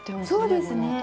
そうですね。